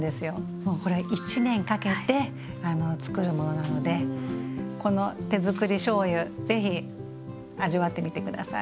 もうこれは１年かけてつくるものなのでこの手づくりしょうゆぜひ味わってみて下さい。